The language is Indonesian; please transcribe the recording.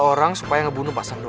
hingga ke ujung barat